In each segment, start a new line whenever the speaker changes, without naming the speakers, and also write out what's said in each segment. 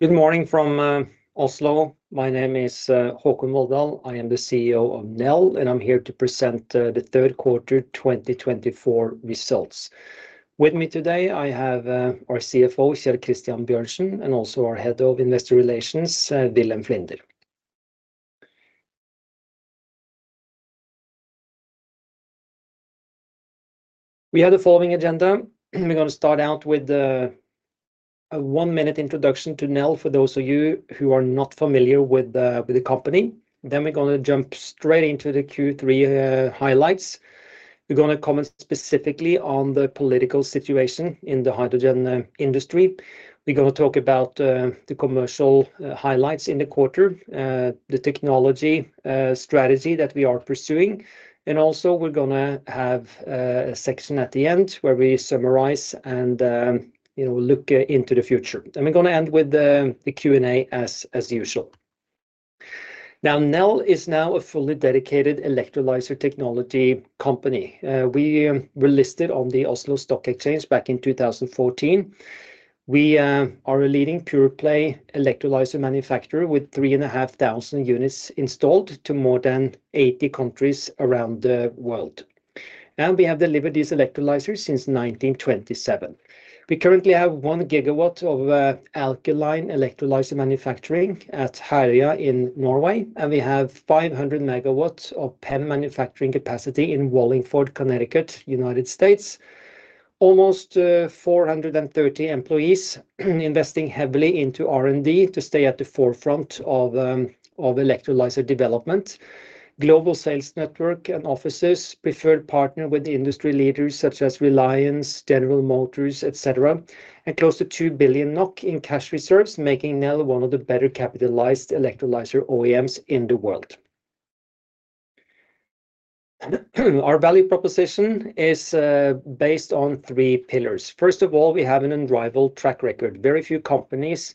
Good morning from Oslo. My name is Håkon Volldal. I am the CEO of Nel, and I'm here to present the third quarter 2024 results. With me today, I have our CFO, Kjell Christian Bjørnsen, and also our Head of Investor Relations, Wilhelm Flinder. We have the following agenda. We're going to start out with a one-minute introduction to Nel for those of you who are not familiar with the company. Then we're going to jump straight into the Q3 highlights. We're going to comment specifically on the political situation in the hydrogen industry. We're going to talk about the commercial highlights in the quarter, the technology strategy that we are pursuing. And also, we're going to have a section at the end where we summarize and look into the future. And we're going to end with the Q&A as usual. Now, Nel is now a fully dedicated electrolyser technology company. We were listed on the Oslo Stock Exchange back in 2014. We are a leading pure-play electrolyser manufacturer with 3,500 units installed to more than 80 countries around the world, and we have delivered these electrolysers since 1927. We currently have one gigawatt of alkaline electrolyser manufacturing at Herøya in Norway, and we have 500 MW of PEM manufacturing capacity in Wallingford, Connecticut, United States. Almost 430 employees investing heavily into R&D to stay at the forefront of electrolyser development. Global sales network and offices preferred partner with industry leaders such as Reliance, General Motors, etc., and close to 2 billion NOK in cash reserves, making Nel one of the better capitalized electrolyser OEMs in the world. Our value proposition is based on three pillars. First of all, we have an unrivaled track record. Very few companies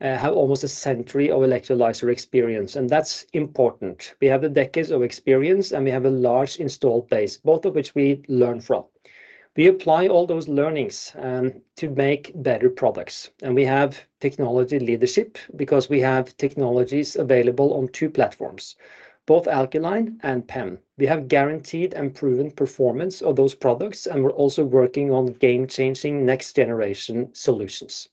have almost a century of electrolyser experience, and that's important. We have a decade of experience, and we have a large installed base, both of which we learn from. We apply all those learnings to make better products. And we have technology leadership because we have technologies available on two platforms, both alkaline and PEM. We have guaranteed and proven performance of those products, and we're also working on game-changing next-generation solutions.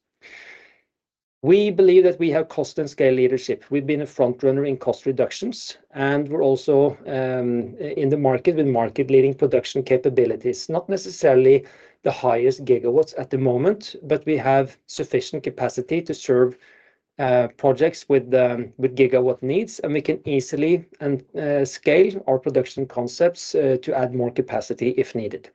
We believe that we have cost and scale leadership. We've been a front-runner in cost reductions, and we're also in the market with market-leading production capabilities, not necessarily the highest gigawatts at the moment, but we have sufficient capacity to serve projects with gigawatt needs, and we can easily scale our production concepts to add more capacity if needed.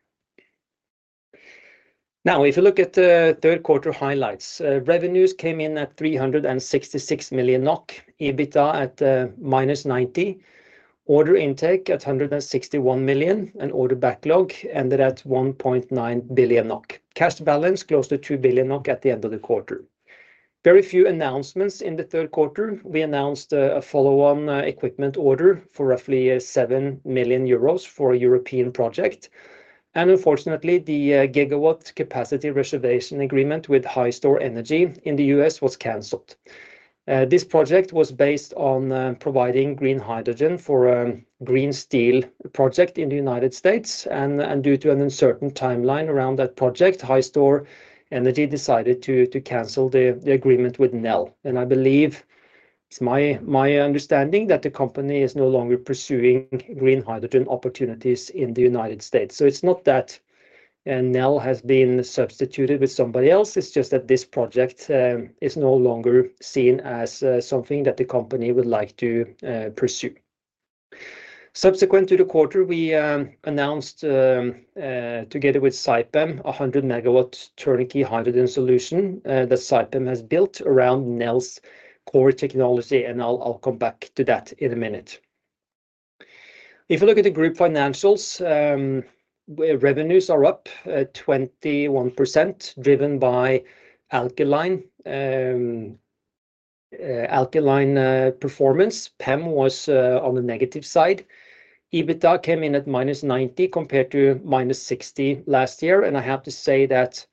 Now, if you look at the third quarter highlights, revenues came in at 366 million NOK, EBITDA at -90, order intake at 161 million, and order backlog ended at 1.9 billion NOK. Cash balance close to 2 billion NOK at the end of the quarter. Very few announcements in the third quarter. We announced a follow-on equipment order for roughly 7 million euros for a European project. And unfortunately, the gigawatt capacity reservation agreement with Hy Stor Energy in the U.S. was cancelled. This project was based on providing green hydrogen for a green steel project in the United States. And due to an uncertain timeline around that project, Hy Stor Energy decided to cancel the agreement with Nel. And I believe it's my understanding that the company is no longer pursuing green hydrogen opportunities in the United States. So it's not that Nel has been substituted with somebody else. It's just that this project is no longer seen as something that the company would like to pursue. Subsequent to the quarter, we announced together with Saipem a 100 MW turnkey hydrogen solution that Saipem has built around Nel's core technology. And I'll come back to that in a minute. If you look at the group financials, revenues are up 21%, driven by alkaline performance. PEM was on the negative side. EBITDA came in at -90 compared to -60 last year. And I have to say that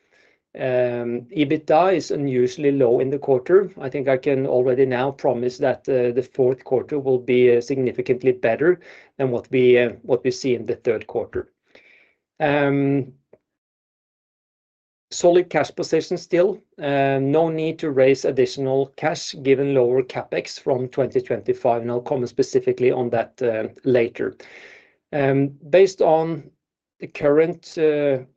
EBITDA is unusually low in the quarter. I think I can already now promise that the fourth quarter will be significantly better than what we see in the third quarter. Solid cash position still. No need to raise additional cash given lower CapEx from 2025. And I'll come specifically on that later. Based on the current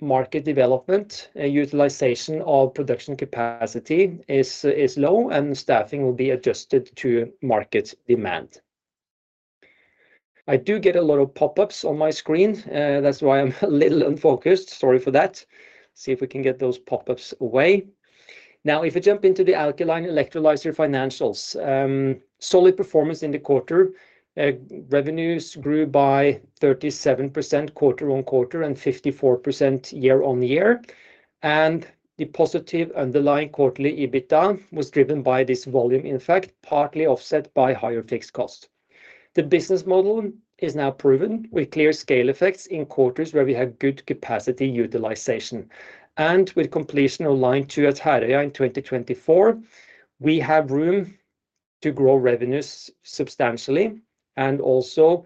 market development, utilization of production capacity is low, and staffing will be adjusted to market demand. I do get a lot of pop-ups on my screen. That's why I'm a little unfocused. Sorry for that. See if we can get those pop-ups away. Now, if we jump into the alkaline electrolyser financials, solid performance in the quarter. Revenues grew by 37% quarter-on-quarter and 54% year-on-year. And the positive underlying quarterly EBITDA was driven by this volume, in fact, partly offset by higher fixed cost. The business model is now proven with clear scale effects in quarters where we have good capacity utilization. And with completion of line two at Herøya in 2024, we have room to grow revenues substantially. And also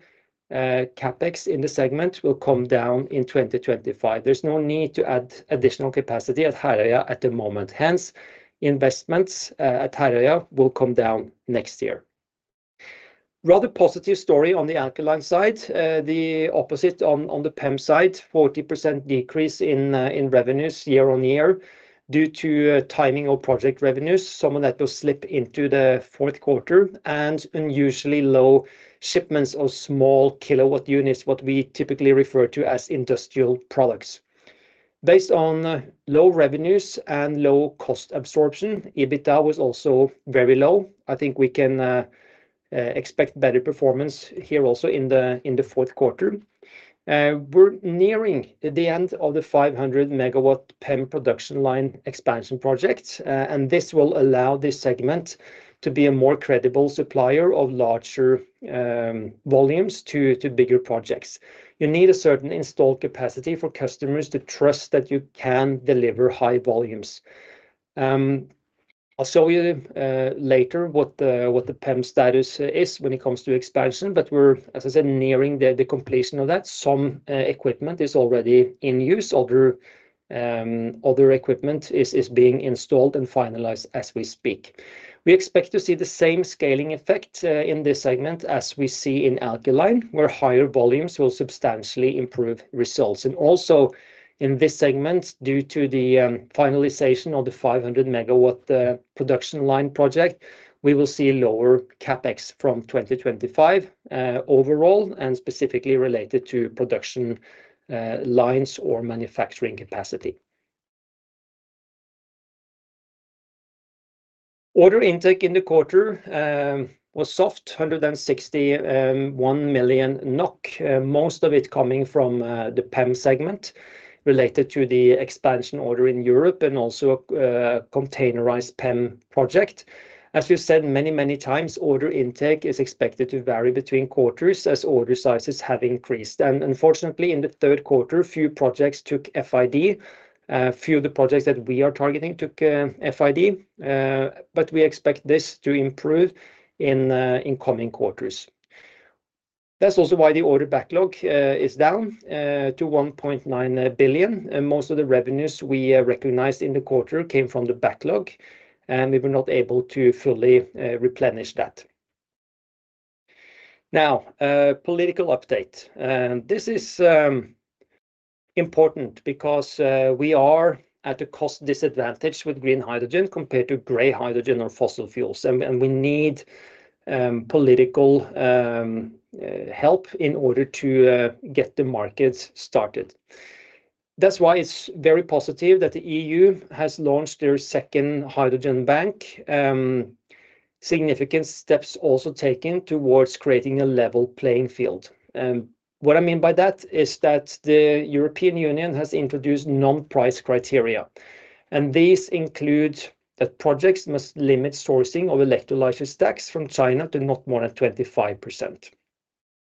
CapEx in the segment will come down in 2025. There's no need to add additional capacity at Herøya at the moment. Hence, investments at Herøya will come down next year. Rather positive story on the alkaline side. The opposite on the PEM side, 40% decrease in revenues year-on-year due to timing of project revenues. Some of that will slip into the fourth quarter, and unusually low shipments of small kilowatt units, what we typically refer to as industrial products. Based on low revenues and low cost absorption, EBITDA was also very low. I think we can expect better performance here also in the fourth quarter. We're nearing the end of the 500 MW PEM production line expansion project, and this will allow this segment to be a more credible supplier of larger volumes to bigger projects. You need a certain installed capacity for customers to trust that you can deliver high volumes. I'll show you later what the PEM status is when it comes to expansion. But we're, as I said, nearing the completion of that. Some equipment is already in use. Other equipment is being installed and finalized as we speak. We expect to see the same scaling effect in this segment as we see in alkaline, where higher volumes will substantially improve results. And also in this segment, due to the finalization of the 500 MW production line project, we will see lower CapEx from 2025 overall and specifically related to production lines or manufacturing capacity. Order intake in the quarter was soft, 161 million NOK, most of it coming from the PEM segment related to the expansion order in Europe and also a containerized PEM project. As we've said many, many times, order intake is expected to vary between quarters as order sizes have increased. And unfortunately, in the third quarter, few projects took FID. Few of the projects that we are targeting took FID, but we expect this to improve in coming quarters. That's also why the order backlog is down to 1.9 billion. Most of the revenues we recognized in the quarter came from the backlog, and we were not able to fully replenish that. Now, political update. This is important because we are at a cost disadvantage with green hydrogen compared to grey hydrogen or fossil fuels. And we need political help in order to get the markets started. That's why it's very positive that the E.U. has launched their second Hydrogen Bank. Significant steps also taken towards creating a level playing field. What I mean by that is that the European Union has introduced non-price criteria. And these include that projects must limit sourcing of electrolyser stacks from China to not more than 25%.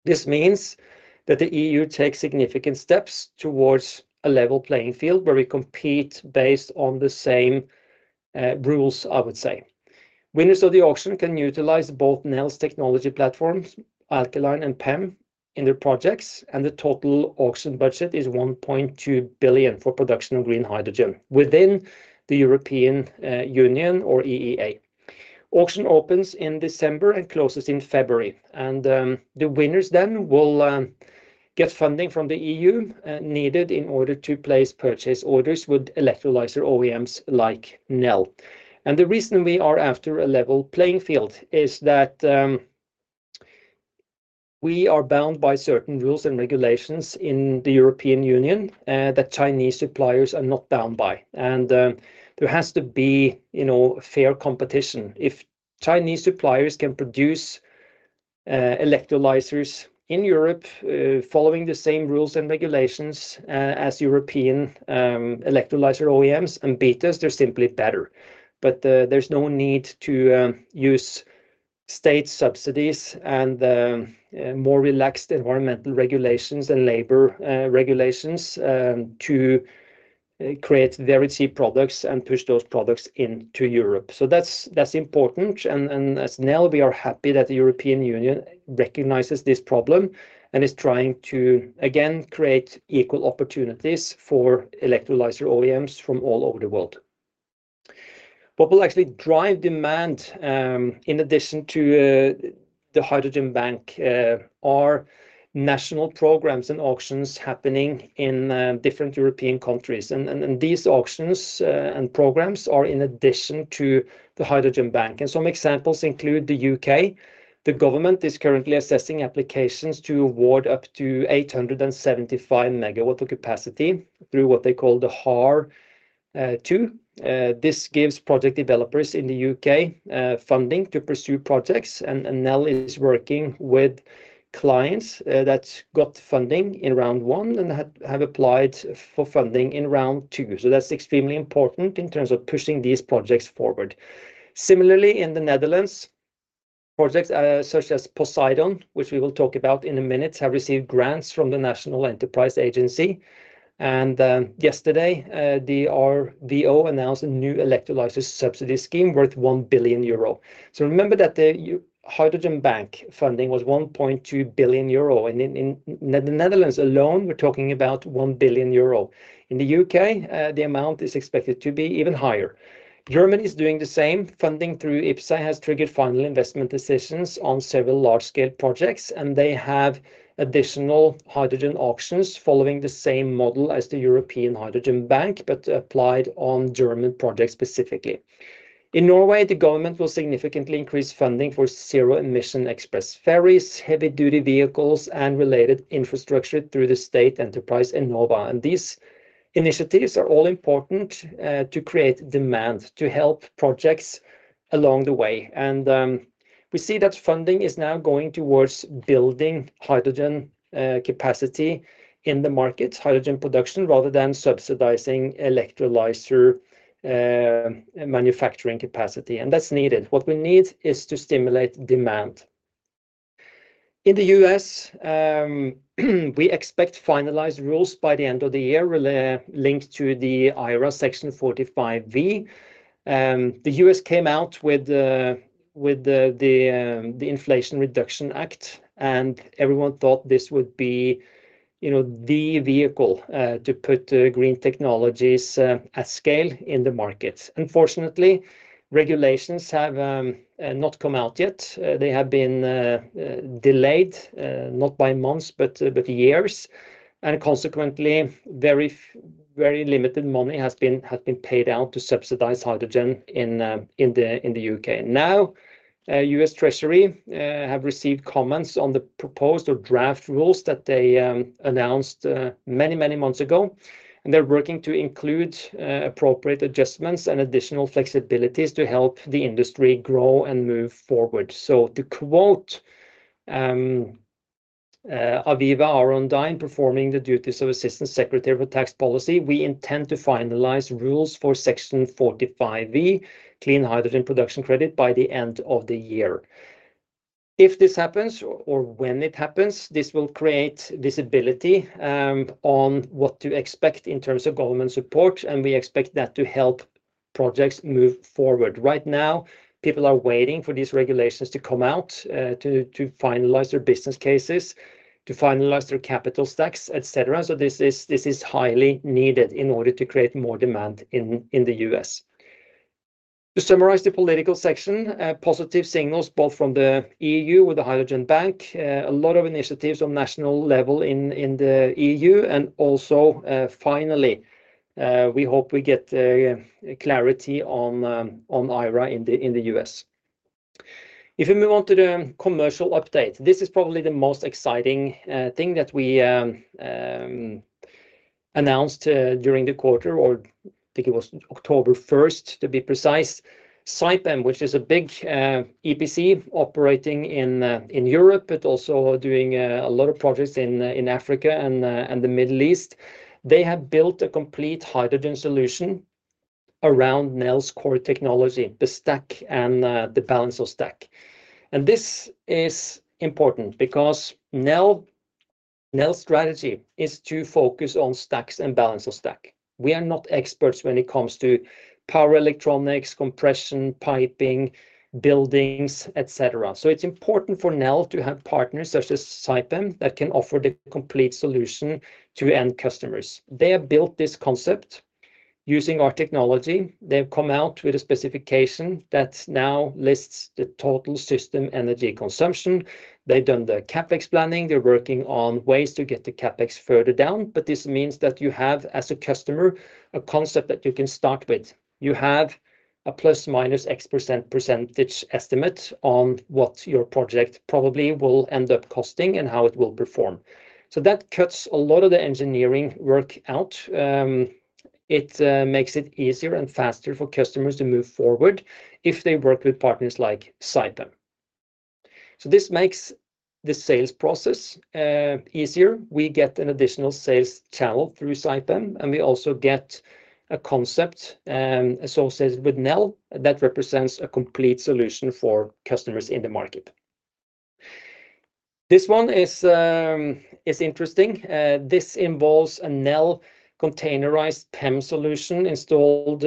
This means that the E.U. takes significant steps towards a level playing field where we compete based on the same rules, I would say. Winners of the auction can utilize both Nel's technology platforms, alkaline and PEM, in their projects. And the total auction budget is 1.2 billion for production of green hydrogen within the European Union or EEA. Auction opens in December and closes in February. And the winners then will get funding from the E.U. needed in order to place purchase orders with electrolyser OEMs like Nel. And the reason we are after a level playing field is that we are bound by certain rules and regulations in the European Union that Chinese suppliers are not bound by. And there has to be fair competition. If Chinese suppliers can produce electrolyzers in Europe following the same rules and regulations as European electrolyzer OEMs and beat us, they're simply better. But there's no need to use state subsidies and more relaxed environmental regulations and labor regulations to create very cheap products and push those products into Europe. That's important. As Nel, we are happy that the European Union recognizes this problem and is trying to, again, create equal opportunities for electrolyzer OEMs from all over the world. What will actually drive demand, in addition to the hydrogen bank, are national programs and auctions happening in different European countries. These auctions and programs are in addition to the hydrogen bank. Some examples include the U.K. The government is currently assessing applications to award up to 875 MW of capacity through what they call the HAR2. This gives project developers in the UK funding to pursue projects. Nel is working with clients that got funding in round one and have applied for funding in round two. That's extremely important in terms of pushing these projects forward. Similarly, in the Netherlands, projects such as Poseidon, which we will talk about in a minute, have received grants from the Netherlands Enterprise Agency. Yesterday, the RVO announced a new electrolysis subsidy scheme worth 1 billion euro. Remember that the Hydrogen Bank funding was 1.2 billion euro. In the Netherlands alone, we're talking about 1 billion euro. In the U.K., the amount is expected to be even higher. Germany is doing the same. Funding through IPCEI has triggered final investment decisions on several large-scale projects. They have additional hydrogen auctions following the same model as the European Hydrogen Bank, but applied on German projects specifically. In Norway, the government will significantly increase funding for zero-emission express ferries, heavy-duty vehicles, and related infrastructure through the state enterprise Enova. These initiatives are all important to create demand, to help projects along the way. We see that funding is now going towards building hydrogen capacity in the market, hydrogen production, rather than subsidizing electrolyser manufacturing capacity. That's needed. What we need is to stimulate demand. In the U.S., we expect finalized rules by the end of the year linked to the IRA Section 45V. The U.S. came out with the Inflation Reduction Act. Everyone thought this would be the vehicle to put green technologies at scale in the market. Unfortunately, regulations have not come out yet. They have been delayed, not by months, but years. And consequently, very limited money has been paid out to subsidize hydrogen in the U.K. Now, U.S. Treasury have received comments on the proposed or draft rules that they announced many, many months ago. And they're working to include appropriate adjustments and additional flexibilities to help the industry grow and move forward. So to quote Aviva Aron-Dine, performing the duties of Assistant Secretary for Tax Policy, we intend to finalize rules for Section 45V, Clean Hydrogen Production Credit, by the end of the year. If this happens, or when it happens, this will create visibility on what to expect in terms of government support. And we expect that to help projects move forward. Right now, people are waiting for these regulations to come out to finalize their business cases, to finalize their capital stacks, etc. So this is highly needed in order to create more demand in the U.S. To summarize the political section, positive signals both from the E.U. with the Hydrogen Bank, a lot of initiatives on national level in the E.U. And also, finally, we hope we get clarity on IRA in the U.S. If we move on to the commercial update, this is probably the most exciting thing that we announced during the quarter, or I think it was October 1st, to be precise. Saipem, which is a big EPC operating in Europe, but also doing a lot of projects in Africa and the Middle East, they have built a complete hydrogen solution around Nel's core technology, the stack and the balance of stack. And this is important because Nel's strategy is to focus on stacks and balance of stack. We are not experts when it comes to power electronics, compression, piping, buildings, etc. So it's important for Nel to have partners such as Saipem that can offer the complete solution to end customers. They have built this concept using our technology. They have come out with a specification that now lists the total system energy consumption. They've done the CapEx planning. They're working on ways to get the CapEx further down. But this means that you have, as a customer, a concept that you can start with. You have a ±X% estimate on what your project probably will end up costing and how it will perform. So that cuts a lot of the engineering work out. It makes it easier and faster for customers to move forward if they work with partners like Saipem. So this makes the sales process easier. We get an additional sales channel through Saipem, and we also get a concept associated with Nel that represents a complete solution for customers in the market. This one is interesting. This involves a Nel containerized PEM solution installed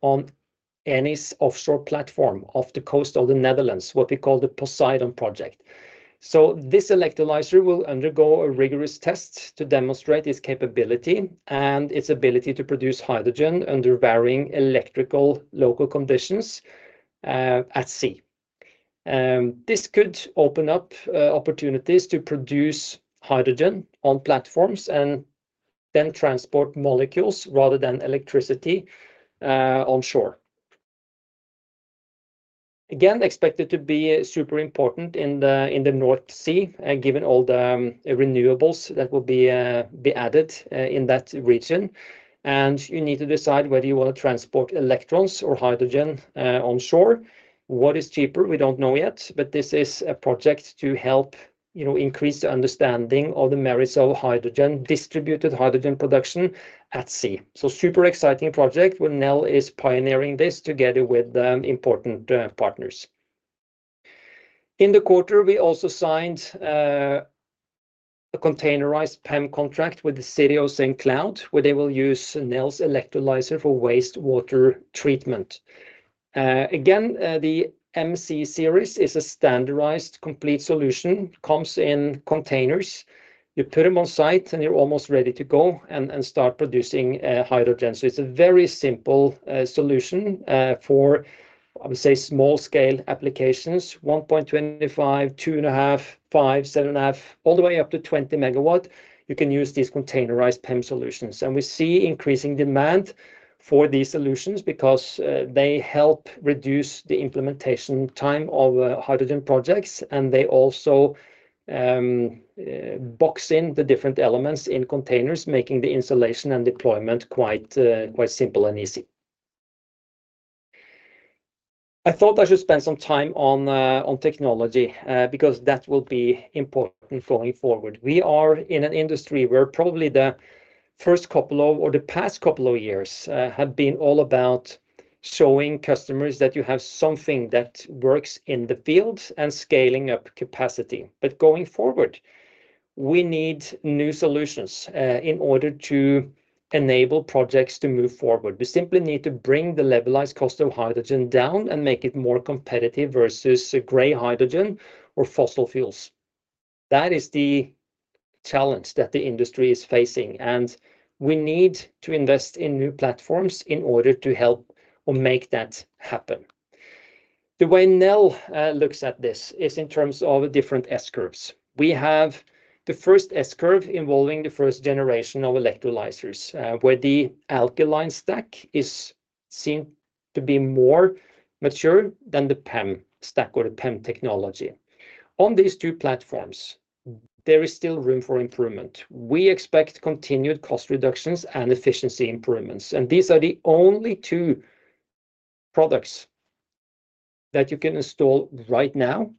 on Eni's offshore platform off the coast of the Netherlands, what we call the Poseidon project, so this electrolyzer will undergo a rigorous test to demonstrate its capability and its ability to produce hydrogen under varying electrical load conditions at sea. This could open up opportunities to produce hydrogen on platforms and then transport molecules rather than electricity onshore. This is expected to be super important in the North Sea, given all the renewables that will be added in that region, and you need to decide whether you want to transport electrons or hydrogen onshore. What is cheaper? We don't know yet. This is a project to help increase the understanding of the merits of hydrogen, distributed hydrogen production at sea. Super exciting project where Nel is pioneering this together with important partners. In the quarter, we also signed a containerized PEM contract with the City of St. Cloud, where they will use Nel's electrolyzer for wastewater treatment. Again, the MC Series is a standardized complete solution. Comes in containers. You put them on site and you're almost ready to go and start producing hydrogen. It's a very simple solution for, I would say, small-scale applications. 1.25, 2.5, 5, 7.5, all the way up to 20 MW. You can use these containerized PEM solutions. We see increasing demand for these solutions because they help reduce the implementation time of hydrogen projects. They also box in the different elements in containers, making the installation and deployment quite simple and easy. I thought I should spend some time on technology because that will be important going forward. We are in an industry where probably the past couple of years have been all about showing customers that you have something that works in the field and scaling up capacity. Going forward, we need new solutions in order to enable projects to move forward. We simply need to bring the levelized cost of hydrogen down and make it more competitive versus gray hydrogen or fossil fuels. That is the challenge that the industry is facing. We need to invest in new platforms in order to help or make that happen. The way Nel looks at this is in terms of different S-curves. We have the first S-curve involving the first generation of electrolysers, where the alkaline stack is seen to be more mature than the PEM stack or the PEM technology. On these two platforms, there is still room for improvement. We expect continued cost reductions and efficiency improvements, and these are the only two products that you can install right now,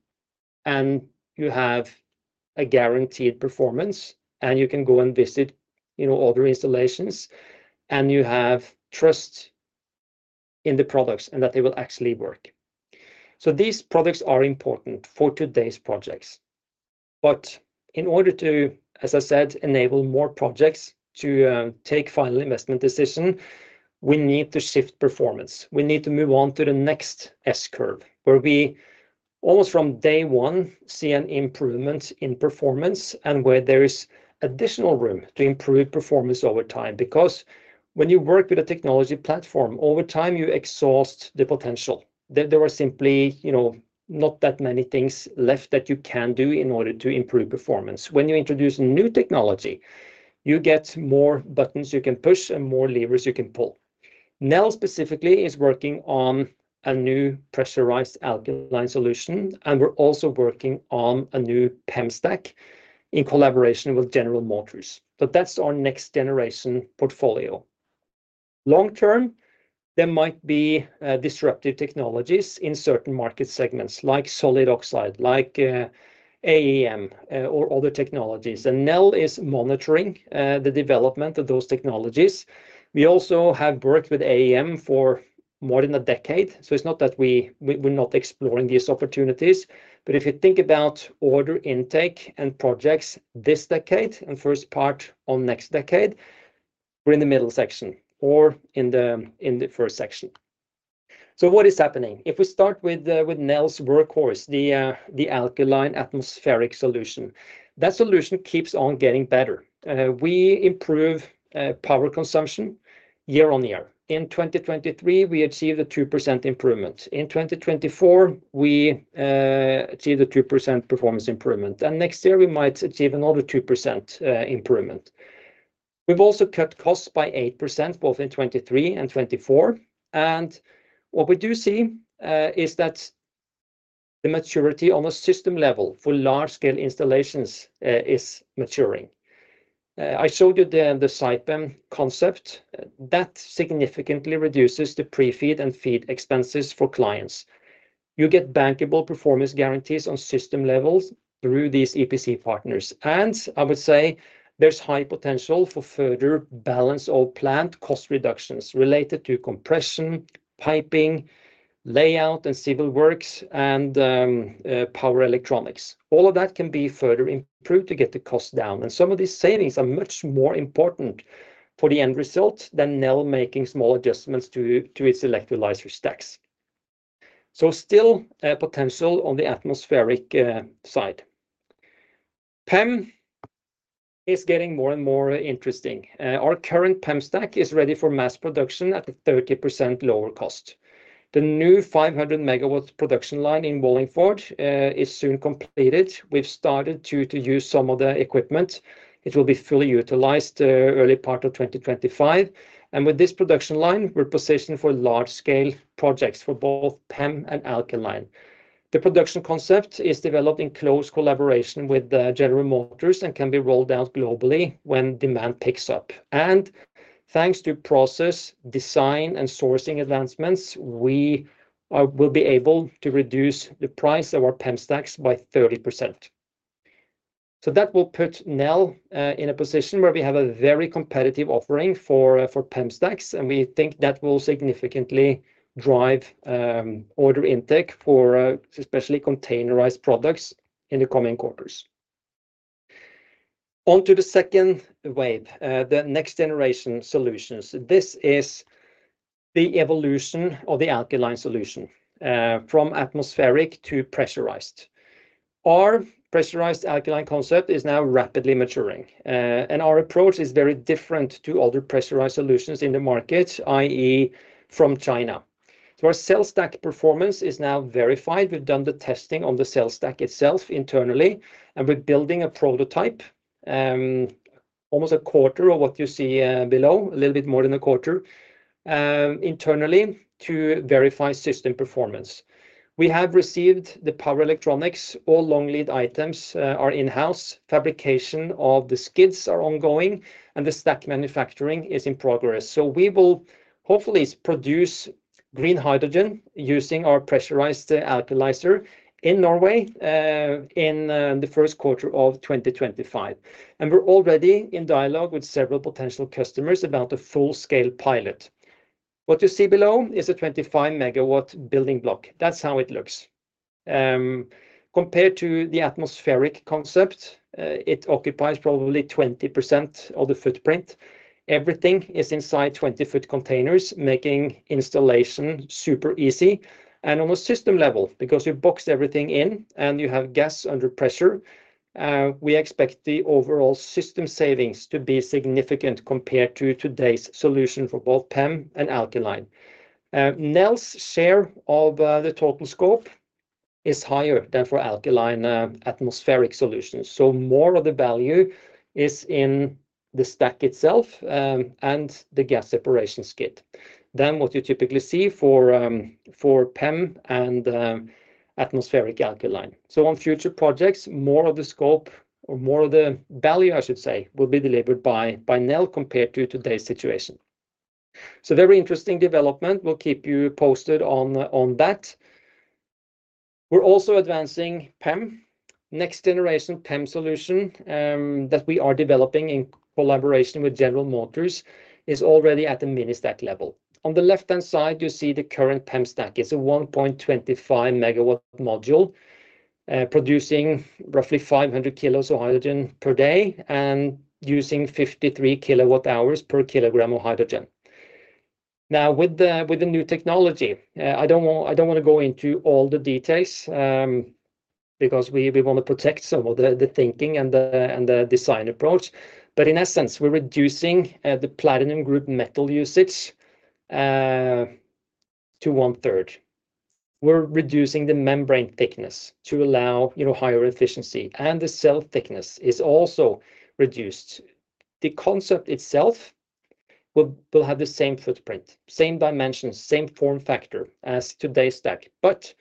and you have a guaranteed performance, and you can go and visit other installations, and you have trust in the products and that they will actually work, so these products are important for today's projects, but in order to, as I said, enable more projects to take final investment decisions, we need to shift performance. We need to move on to the next S-curve, where we almost from day one see an improvement in performance and where there is additional room to improve performance over time. Because when you work with a technology platform, over time you exhaust the potential. There are simply not that many things left that you can do in order to improve performance. When you introduce new technology, you get more buttons you can push and more levers you can pull. Nel specifically is working on a new pressurized alkaline solution, and we're also working on a new PEM stack in collaboration with General Motors, so that's our next-generation portfolio. Long-term, there might be disruptive technologies in certain market segments, like solid oxide, like AEM, or other technologies, and Nel is monitoring the development of those technologies. We also have worked with AEM for more than a decade, so it's not that we're not exploring these opportunities. But if you think about order intake and projects this decade and first part on next decade, we're in the middle section or in the first section. So what is happening? If we start with Nel's workhorse, the alkaline atmospheric solution, that solution keeps on getting better. We improve power consumption year-on-year. In 2023, we achieved a 2% improvement. In 2024, we achieved a 2% performance improvement. And next year, we might achieve another 2% improvement. We've also cut costs by 8% both in 2023 and 2024. And what we do see is that the maturity on a system level for large-scale installations is maturing. I showed you the Saipem concept. That significantly reduces the pre-FEED and FEED expenses for clients. You get bankable performance guarantees on system levels through these EPC partners. And I would say there's high potential for further balance of plant cost reductions related to compression, piping, layout and civil works, and power electronics. All of that can be further improved to get the cost down. And some of these savings are much more important for the end result than Nel making small adjustments to its electrolyzer stacks. So still potential on the atmospheric side. PEM is getting more and more interesting. Our current PEM stack is ready for mass production at a 30% lower cost. The new 500 MW production line in Wallingford is soon completed. We've started to use some of the equipment. It will be fully utilized in the early part of 2025. And with this production line, we're positioned for large-scale projects for both PEM and alkaline. The production concept is developed in close collaboration with General Motors and can be rolled out globally when demand picks up, and thanks to process design and sourcing advancements, we will be able to reduce the price of our PEM stacks by 30%, so that will put Nel in a position where we have a very competitive offering for PEM stacks, and we think that will significantly drive order intake for especially containerized products in the coming quarters. On to the second wave, the next generation solutions. This is the evolution of the alkaline solution from atmospheric to pressurized. Our pressurized alkaline concept is now rapidly maturing, and our approach is very different from other pressurized solutions in the market, i.e., from China, so our cell stack performance is now verified. We've done the testing on the cell stack itself internally. We're building a prototype, almost a quarter of what you see below, a little bit more than a quarter, internally to verify system performance. We have received the power electronics. All long lead items are in-house. Fabrication of the skids is ongoing. And the stack manufacturing is in progress. So we will hopefully produce green hydrogen using our pressurized alkaline electrolyzer in Norway in the first quarter of 2025. And we're already in dialogue with several potential customers about a full-scale pilot. What you see below is a 25 MW building block. That's how it looks. Compared to the atmospheric concept, it occupies probably 20% of the footprint. Everything is inside 20 ft containers, making installation super easy. And on a system level, because you box everything in and you have gas under pressure, we expect the overall system savings to be significant compared to today's solution for both PEM and alkaline. Nel's share of the total scope is higher than for alkaline atmospheric solutions. So more of the value is in the stack itself and the gas separation skid. Then what you typically see for PEM and atmospheric alkaline. So on future projects, more of the scope or more of the value, I should say, will be delivered by Nel compared to today's situation. So very interesting development. We'll keep you posted on that. We're also advancing PEM. Next generation PEM solution that we are developing in collaboration with General Motors is already at the mini stack level. On the left-hand side, you see the current PEM stack. It's a 1.25 MW module producing roughly 500 kg of hydrogen per day and using 53 kWh per kilogram of hydrogen. Now, with the new technology, I don't want to go into all the details because we want to protect some of the thinking and the design approach. But in essence, we're reducing the platinum group metal usage to one-third. We're reducing the membrane thickness to allow higher efficiency. And the cell thickness is also reduced. The concept itself will have the same footprint, same dimensions, same form factor as today's stack. But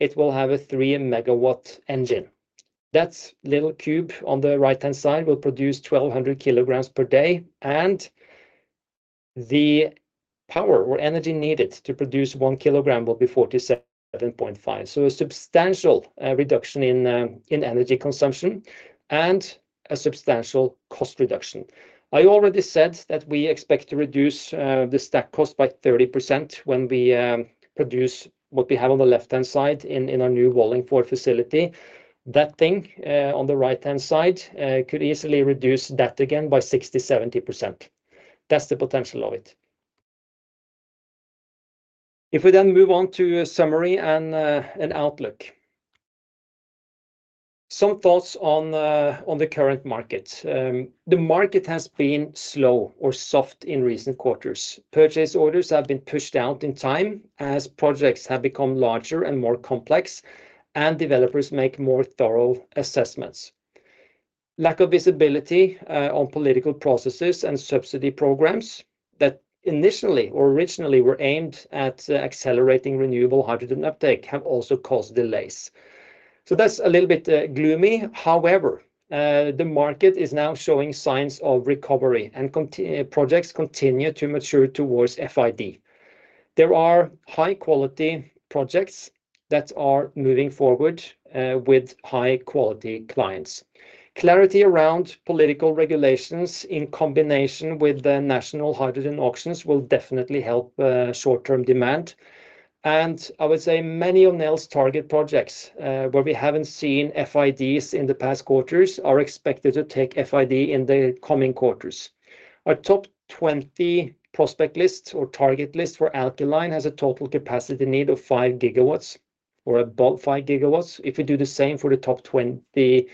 it will have a 3 MW engine. That little cube on the right-hand side will produce 1,200 kg per day. And the power or energy needed to produce one kilogram will be 47.5. So a substantial reduction in energy consumption and a substantial cost reduction. I already said that we expect to reduce the stack cost by 30% when we produce what we have on the left-hand side in our new Wallingford facility. That thing on the right-hand side could easily reduce that again by 60%-70%. That's the potential of it. If we then move on to a summary and an outlook. Some thoughts on the current market. The market has been slow or soft in recent quarters. Purchase orders have been pushed out in time as projects have become larger and more complex and developers make more thorough assessments. Lack of visibility on political processes and subsidy programs that initially or originally were aimed at accelerating renewable hydrogen uptake have also caused delays. So that's a little bit gloomy. However, the market is now showing signs of recovery and projects continue to mature towards FID. There are high-quality projects that are moving forward with high-quality clients. Clarity around political regulations in combination with the national hydrogen auctions will definitely help short-term demand. And I would say many of Nel's target projects where we haven't seen FIDs in the past quarters are expected to take FID in the coming quarters. Our top 20 prospect list or target list for alkaline has a total capacity need of five gigawatts or about five gigawatts. If we do the same for the top 20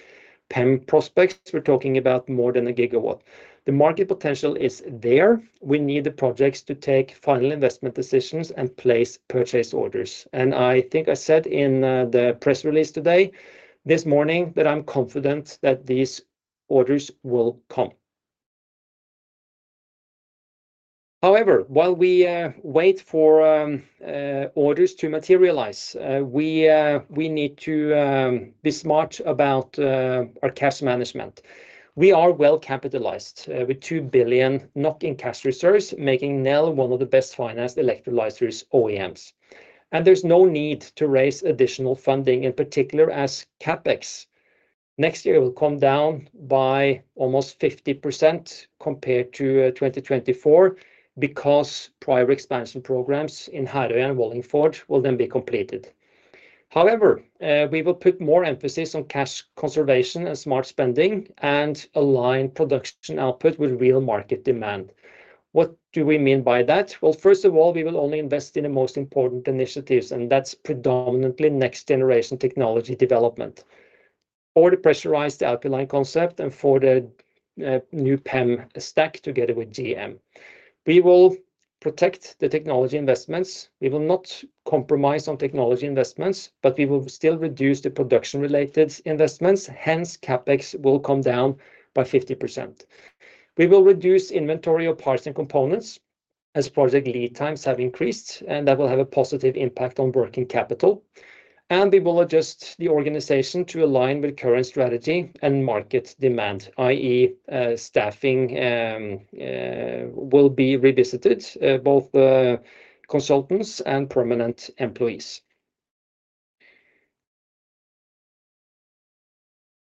PEM prospects, we're talking about more than a gigawatt. The market potential is there. We need the projects to take final investment decisions and place purchase orders. And I think I said in the press release today, this morning, that I'm confident that these orders will come. However, while we wait for orders to materialize, we need to be smart about our cash management. We are well capitalized with 2 billion in cash reserves, making Nel one of the best financed electrolyser OEMs, and there's no need to raise additional funding, in particular, as CapEx next year will come down by almost 50% compared to 2024 because prior expansion programs in Herøya and Wallingford will then be completed. However, we will put more emphasis on cash conservation and smart spending and align production output with real market demand. What do we mean by that? Well, first of all, we will only invest in the most important initiatives, and that's predominantly next-generation technology development for the pressurized alkaline concept and for the new PEM stack together with GM. We will protect the technology investments. We will not compromise on technology investments, but we will still reduce the production-related investments. Hence, CapEx will come down by 50%. We will reduce inventory or parts and components as project lead times have increased, and that will have a positive impact on working capital, and we will adjust the organization to align with current strategy and market demand, i.e., staffing will be revisited, both consultants and permanent employees.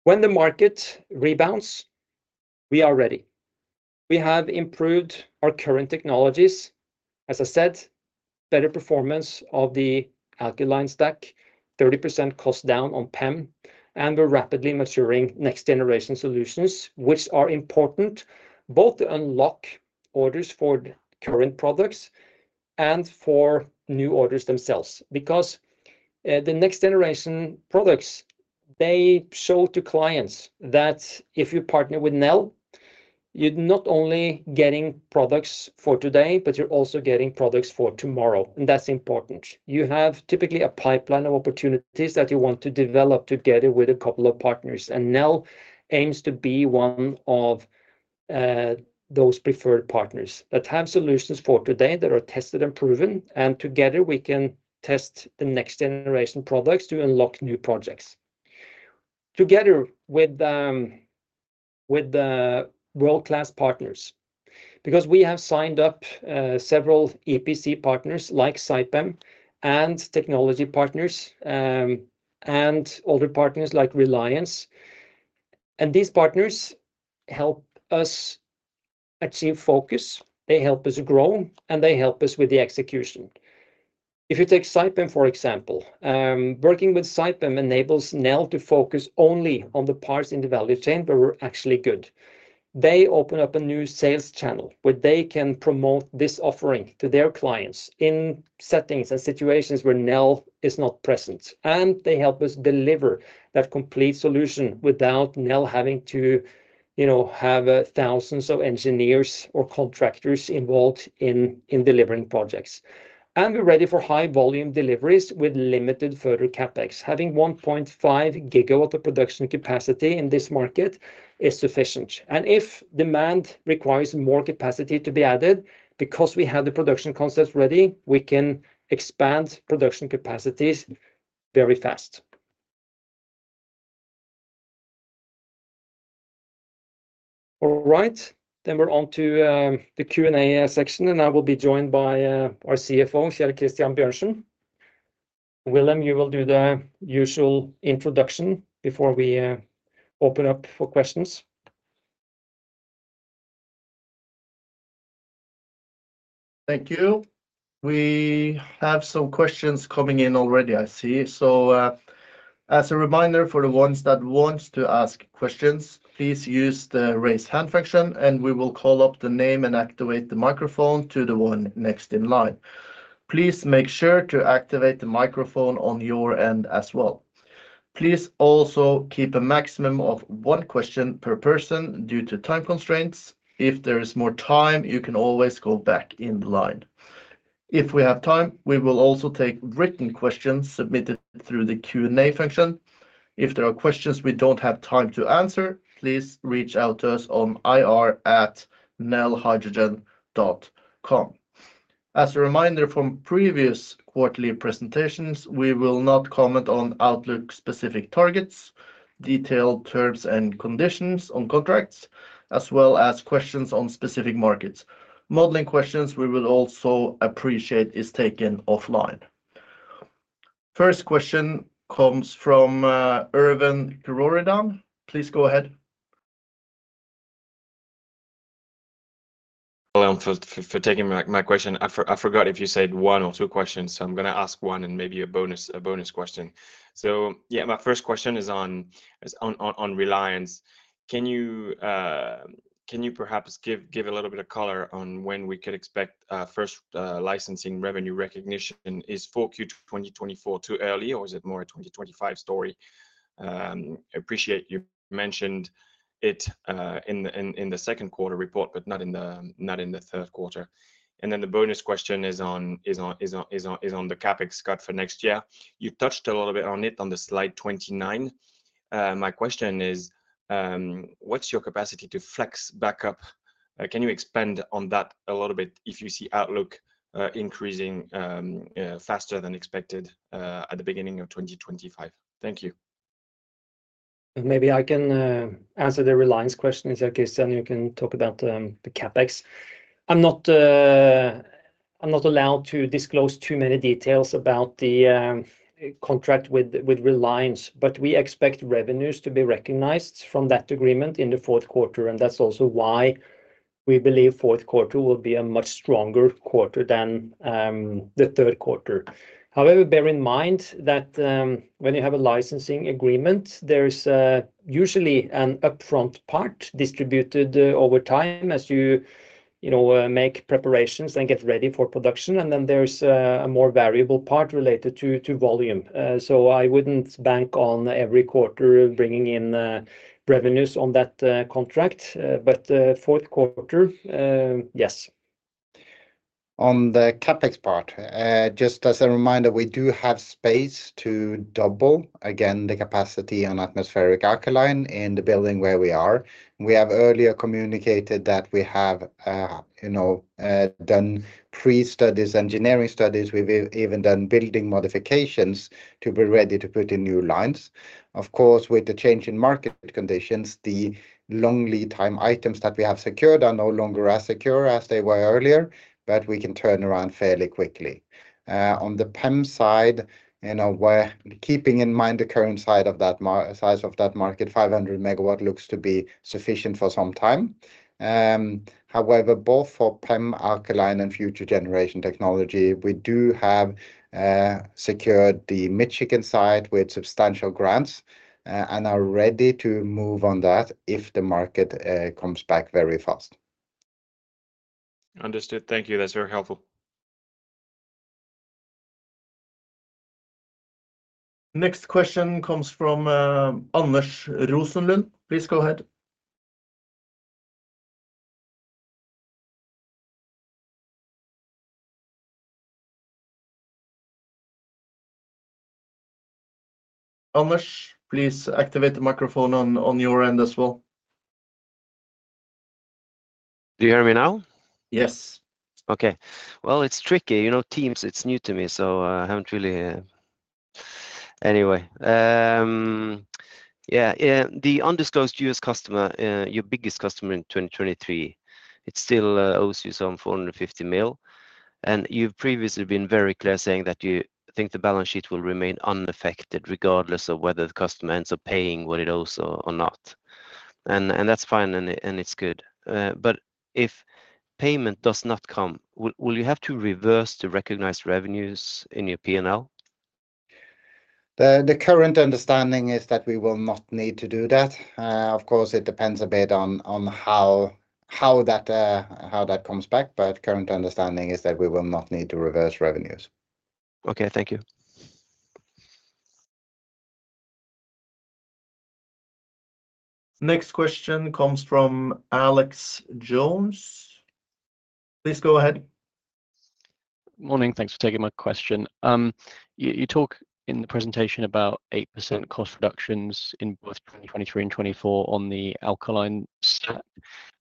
When the market rebounds, we are ready. We have improved our current technologies, as I said, better performance of the alkaline stack, 30% cost down on PEM, and we're rapidly maturing next generation solutions, which are important both to unlock orders for current products and for new orders themselves. Because the next generation products, they show to clients that if you partner with Nel, you're not only getting products for today, but you're also getting products for tomorrow, and that's important. You have typically a pipeline of opportunities that you want to develop together with a couple of partners. Nel aims to be one of those preferred partners that have solutions for today that are tested and proven. Together, we can test the next generation products to unlock new projects together with world-class partners. Because we have signed up several EPC partners like Saipem and technology partners and other partners like Reliance. These partners help us achieve focus. They help us grow, and they help us with the execution. If you take Saipem, for example, working with Saipem enables Nel to focus only on the parts in the value chain where we're actually good. They open up a new sales chanNel where they can promote this offering to their clients in settings and situations where Nel is not present. They help us deliver that complete solution without Nel having to, you know, have thousands of engineers or contractors involved in delivering projects. We're ready for high-volume deliveries with limited further CapEx. Having 1.5 GW of production capacity in this market is sufficient. If demand requires more capacity to be added, because we have the production concepts ready, we can expand production capacities very fast. All right, then we're on to the Q&A section, and I will be joined by our CFO, Kjell Christian Bjørnsen. Wilhelm, you will do the usual introduction before we open up for questions.
Thank you. We have some questions coming in already, I see. So, as a reminder for the ones that want to ask questions, please use the raise hand function, and we will call up the name and activate the microphone to the one next in line. Please make sure to activate the microphone on your end as well. Please also keep a maximum of one question per person due to time constraints. If there is more time, you can always go back in line. If we have time, we will also take written questions submitted through the Q&A function. If there are questions we don't have time to answer, please reach out to us on ir@nelhydrogen.com. As a reminder from previous quarterly presentations, we will not comment on outlook-specific targets, detailed terms and conditions on contracts, as well as questions on specific markets. Modeling questions we will also appreciate are taken offline. First question comes from Erwan Kerouredan. Please go ahead.
Hello, thanks for taking my question. I forgot if you said one or two questions, so I'm going to ask one and maybe a bonus question. So yeah, my first question is on Reliance. Can you perhaps give a little bit of color on when we could expect first licensing revenue recognition? Is 4Q 2024 too early, or is it more a 2025 story? I appreciate you mentioned it in the second quarter report, but not in the third quarter. And then the bonus question is on the CapEx cut for next year. You touched a little bit on it on the slide 29. My question is, what's your capacity to flex back up? Can you expand on that a little bit if you see Outlook increasing faster than expected at the beginning of 2025? Thank you.
Maybe I can answer the Reliance question, and then you can talk about the CapEx. I'm not allowed to disclose too many details about the contract with Reliance, but we expect revenues to be recognized from that agreement in the fourth quarter. And that's also why we believe fourth quarter will be a much stronger quarter than the third quarter. However, bear in mind that when you have a licensing agreement, there's usually an upfront part distributed over time as you make preparations and get ready for production. And then there's a more variable part related to volume. So I wouldn't bank on every quarter bringing in revenues on that contract. But the fourth quarter, yes.
On the CapEx part, just as a reminder, we do have space to double again the capacity on atmospheric alkaline in the building where we are. We have earlier communicated that we have done pre-studies, engineering studies. We've even done building modifications to be ready to put in new lines. Of course, with the change in market conditions, the long lead time items that we have secured are no longer as secure as they were earlier, but we can turn around fairly quickly. On the PEM side, keeping in mind the current size of that market, 500 MW looks to be sufficient for some time. However, both for PEM, alkaline, and future generation technology, we do have secured the Michigan site with substantial grants and are ready to move on that if the market comes back very fast.
Understood. Thank you. That's very helpful.
Next question comes from Anders Rosenlund. Please go ahead. Anders, please activate the microphone on your end as well.
Do you hear me now? Yes. Okay. Well, it's tricky. You know, Teams, it's new to me. Anyway. Yeah, the undisclosed U.S. customer, your biggest customer in 2023, it still owes you some 450 million. And you've previously been very clear saying that you think the balance sheet will remain unaffected regardless of whether the customer ends up paying what it owes or not. And that's fine, and it's good. But if payment does not come, will you have to reverse the recognized revenues in your P&L?
The current understanding is that we will not need to do that. Of course, it depends a bit on how that comes back, but current understanding is that we will not need to reverse revenues.
Okay, thank you.
Next question comes from Alex Jones. Please go ahead.
Morning. Thanks for taking my question. You talk in the presentation about 8% cost reductions in both 2023 and 2024 on the alkaline stack.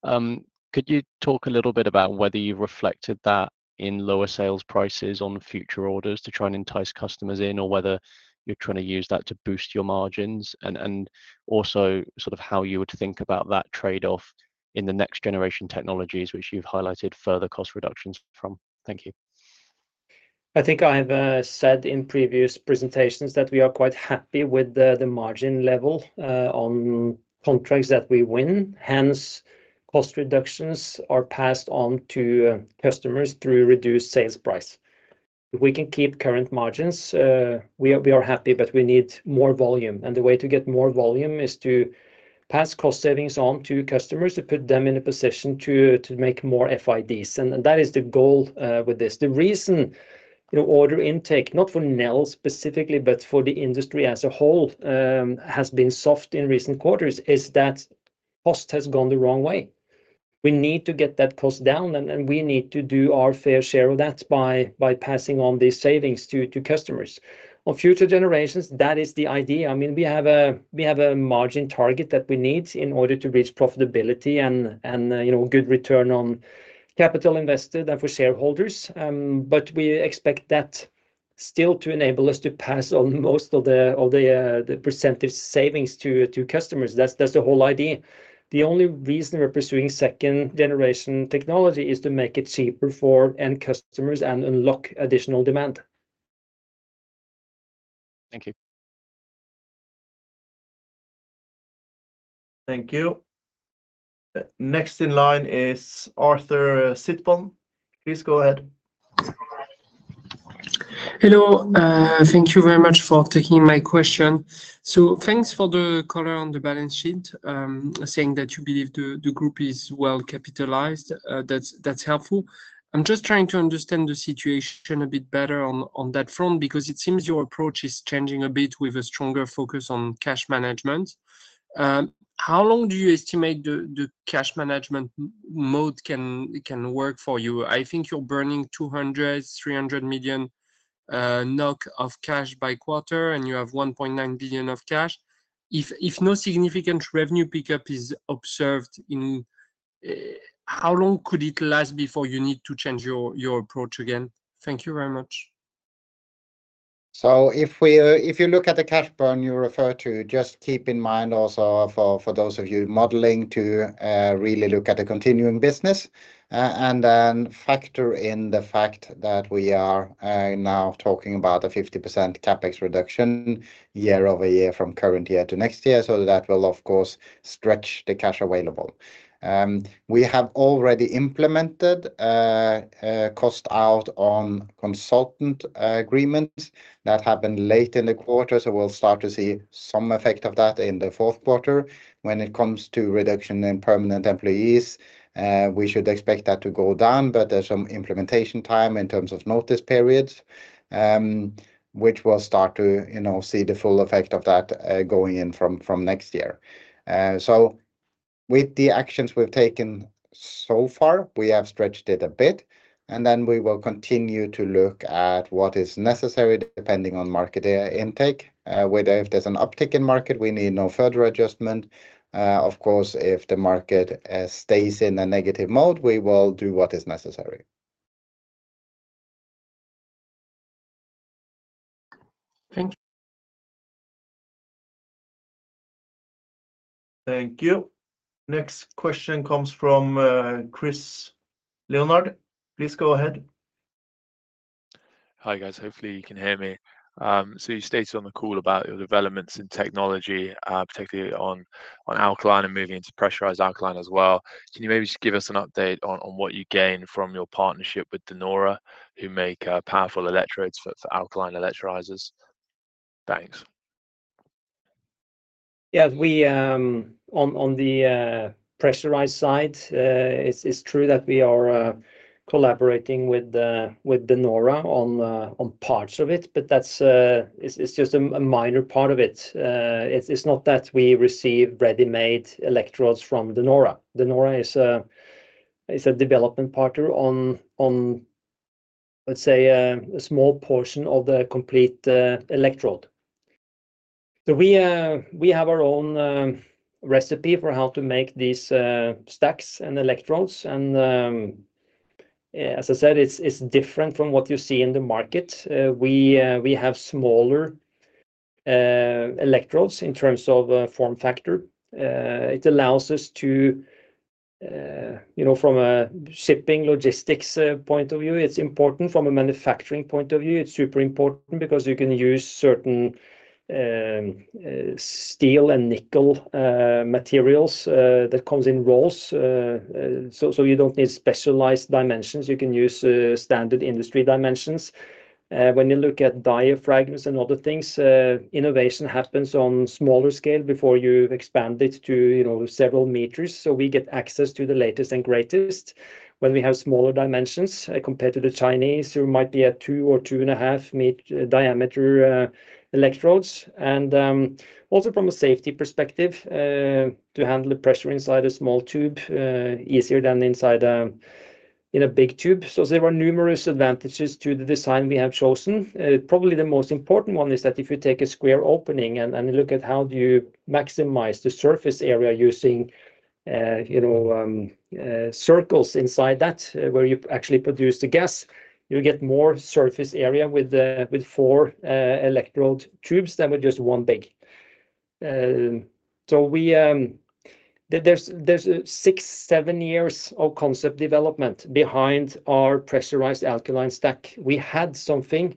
Could you talk a little bit about whether you've reflected that in lower sales prices on future orders to try and entice customers in, or whether you're trying to use that to boost your margins, and also sort of how you would think about that trade-off in the next generation technologies, which you've highlighted further cost reductions from? Thank you.
I think I have said in previous presentations that we are quite happy with the margin level on contracts that we win. Hence, cost reductions are passed on to customers through reduced sales price. If we can keep current margins, we are happy, but we need more volume, and the way to get more volume is to pass cost savings on to customers to put them in a position to make more FIDs, and that is the goal with this. The reason order intake, not for Nel specifically, but for the industry as a whole, has been soft in recent quarters is that cost has gone the wrong way. We need to get that cost down, and we need to do our fair share of that by passing on these savings to customers. On future generations, that is the idea. I mean, we have a margin target that we need in order to reach profitability and good return on capital invested for shareholders. But we expect that still to enable us to pass on most of the percentage savings to customers. That's the whole idea. The only reason we're pursuing second generation technology is to make it cheaper for end customers and unlock additional demand.
Thank you.
Thank you. Next in line is Arthur Sitbon. Please go ahead.
Hello. Thank you very much for taking my question. So thanks for the color on the balance sheet saying that you believe the group is well capitalized. That's helpful. I'm just trying to understand the situation a bit better on that front because it seems your approach is changing a bit with a stronger focus on cash management. How long do you estimate the cash management mode can work for you? I think you're burning 200 million-300 million NOK of cash by quarter, and you have 1.9 billion of cash. If no significant revenue pickup is observed, how long could it last before you need to change your approach again? Thank you very much.
So if you look at the cash burn you refer to, just keep in mind also for those of you modeling to really look at a continuing business and then factor in the fact that we are now talking about a 50% CapEx reduction year-over-year from current year to next year. So that will, of course, stretch the cash available. We have already implemented cost out on consultant agreements that happened late in the quarter. So we'll start to see some effect of that in the fourth quarter. When it comes to reduction in permanent employees, we should expect that to go down, but there's some implementation time in terms of notice periods, which will start to see the full effect of that going in from next year. So with the actions we've taken so far, we have stretched it a bit, and then we will continue to look at what is necessary depending on market intake. Whether if there's an uptick in market, we need no further adjustment. Of course, if the market stays in a negative mode, we will do what is necessary.
Thank you.
Thank you. Next question comes from Chris Leonard. Please go ahead.
Hi guys, hopefully you can hear me. So you stated on the call about your developments in technology, particularly on alkaline and moving into pressurized alkaline as well. Can you maybe just give us an update on what you gain from your partnership with De Nora, who make powerful electrodes for alkaline electrolysers? Thanks.
Yeah, on the pressurized side, it's true that we are collaborating with De Nora on parts of it, but it's just a minor part of it. It's not that we receive ready-made electrodes from De Nora. De Nora is a development partner on, let's say, a small portion of the complete electrode. So we have our own recipe for how to make these stacks and electrodes. And as I said, it's different from what you see in the market. We have smaller electrodes in terms of form factor. It allows us to, from a shipping logistics point of view, it's important. From a manufacturing point of view, it's super important because you can use certain steel and nickel materials that come in rolls. So you don't need specialized dimensions. You can use standard industry dimensions. When you look at diaphragms and other things, innovation happens on smaller scale before you expand it to several meters. We get access to the latest and greatest when we have smaller dimensions compared to the Chinese, who might be at two or two and a half meter diameter electrodes. Also from a safety perspective, to handle the pressure inside a small tube is easier than inside a big tube. There are numerous advantages to the design we have chosen. Probably the most important one is that if you take a square opening and look at how do you maximize the surface area using circles inside that where you actually produce the gas, you get more surface area with four electrode tubes than with just one big. There's six, seven years of concept development behind our pressurized alkaline stack. We had something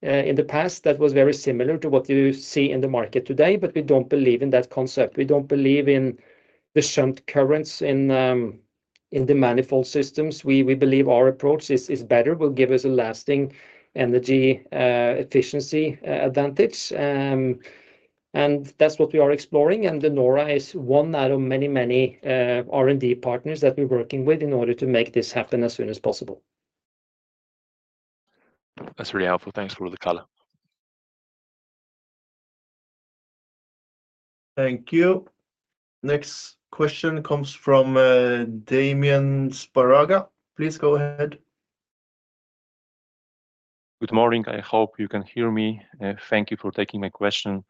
in the past that was very similar to what you see in the market today, but we don't believe in that concept. We don't believe in the shunt currents in the manifold systems. We believe our approach is better. It will give us a lasting energy efficiency advantage. And that's what we are exploring. And De Nora is one out of many, many R&D partners that we're working with in order to make this happen as soon as possible.
That's really helpful. Thanks, for the color.
Thank you. Next question comes from Damian Szparaga. Please go ahead.
Good morning. I hope you can hear me. Thank you for taking my question.